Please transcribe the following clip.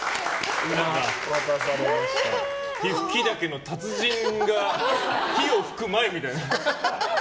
火吹き竹の達人が火を吹く前みたいな。